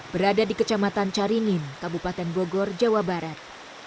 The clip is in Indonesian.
berada di kecamatan caringin kabupaten bogor jawa barat